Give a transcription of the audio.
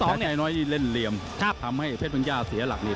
แซนแคน้อยเล่นเหลี่ยมทำให้เพชรพรึงญาเสียหลักนี้